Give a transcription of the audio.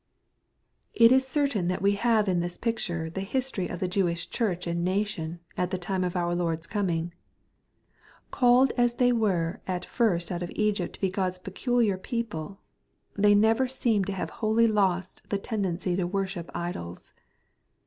It is certain that we have in this picture the history of the Jeunsh church and nation, at the time of our Lord's coming. Called as they were at first out of Egypt to he Grod's peculiar people, they never seem to have wholly lost the tendency to worship idols.